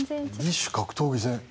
異種格闘技戦。